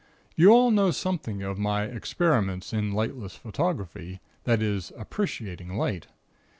"You all know something of my experiments in 'Lightless Photography,' that is, appreciating light.